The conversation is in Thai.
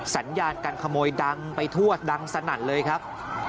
สัญญาการขโมยดังไปทั่วดังสนั่นเลยครับ